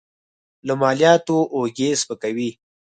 له مالیاتو اوږې سپکوي.